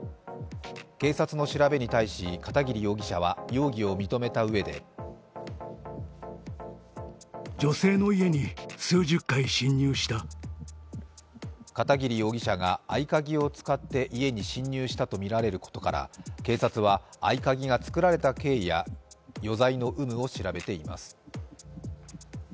警察の調べに対し片桐容疑者は容疑を認めたうえで片桐容疑者が合鍵を使って家に侵入したとみられることから警察は、合い鍵がつくられた経緯や余罪の有無を調べています。